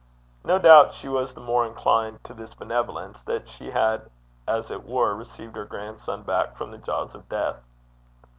No doubt she was the more inclined to this benevolence that she had as it were received her grandson back from the jaws of death.